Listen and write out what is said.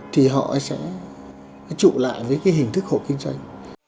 thì họ sẽ trụ lại với cái hình thức hộ kinh doanh